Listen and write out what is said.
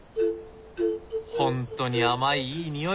ほんとに甘いいい匂い。